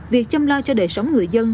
việc chăm lo cho đời sống người dân